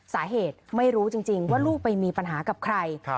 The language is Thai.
สาเหตุไม่รู้จริงว่าลูกไปมีปัญหากับใคร